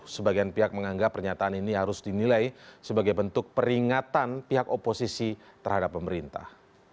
sebagian pihak menganggap pernyataan ini harus dinilai sebagai bentuk peringatan pihak oposisi terhadap pemerintah